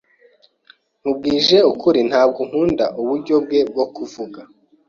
Nkubwije ukuri, ntabwo nkunda uburyo bwe bwo kuvuga.